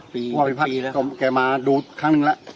ภูภาพิพัฒน์แกมาดูครั้งนึงละ